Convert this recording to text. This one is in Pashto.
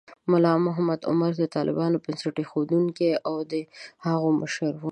ملا محمد عمر د طالبانو بنسټ ایښودونکی و او د هغوی مشر و.